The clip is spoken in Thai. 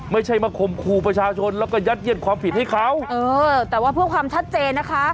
ไม่ใช่มาข่มขู่ประชาชนแล้วก็ยัดเย็ดความผิดให้เขาเออแต่ว่าเพื่อความชัดเจนนะคะ